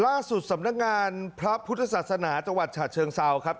สำนักงานพระพุทธศาสนาจังหวัดฉะเชิงเซาครับ